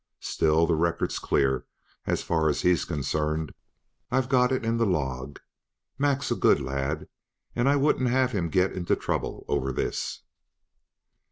Still, the record's clear as far as he's concerned; I've got it in the log. Mac's a good lad, and I wouldn't have him get into trouble over this."